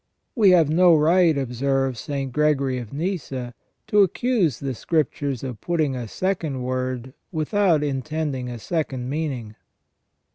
We have no right, observes St. Gregory of Nyssa, to accuse the Scriptures of putting a second word without intending a second meaning.